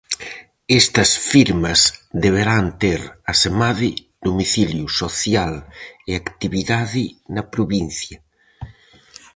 Estas firmas deberán ter, asemade, domicilio social e actividade na provincia.